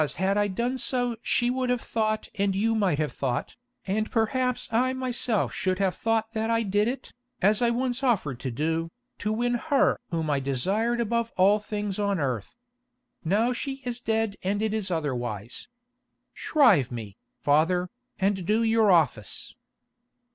"Because had I done so she would have thought and you might have thought, and perhaps I myself should have thought that I did it, as once I offered to do, to win her whom I desired above all things on earth. Now she is dead and it is otherwise. Shrive me, father, and do your office."